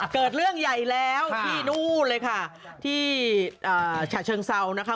เกิดเรื่องใหญ่แล้วที่นู่นเลยค่ะที่ฉะเชิงเซานะคะ